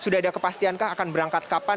sudah ada kepastian kah akan berangkat kapan